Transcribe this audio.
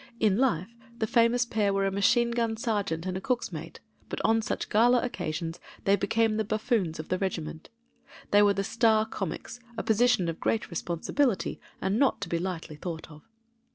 In life the famous pair were "THE REGIMENT" 259 a machine gun sergeant and a cook's mate; but on such gala occasions they became the buffoons of the regiment. They were the star comics: a position of great responsibility and not to be lightly thought of.